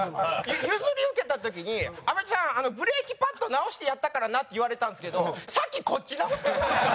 譲り受けた時に「安部ちゃんブレーキパッド直してやったからな」って言われたんですけど先こっち直してください！